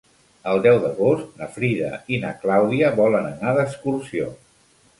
El deu d'agost na Frida i na Clàudia volen anar d'excursió.